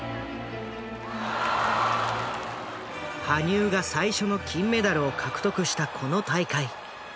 羽生が最初の金メダルを獲得したこの大会。